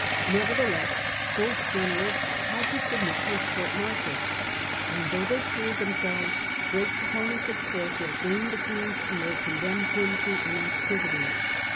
Neverthe less both generals had to submit to a court martial, and though they cleared themselves Drake's opponents at Court who had gained the Queen's ear condemned him to inactivity.